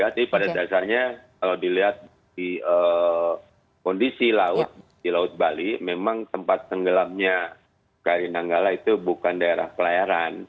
jadi pada dasarnya kalau dilihat di kondisi laut di laut bali memang tempat tenggelamnya kari nanggala itu bukan daerah pelayaran